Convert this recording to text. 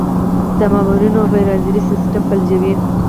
د مامورینو غیرحاضري سیستم فلجوي.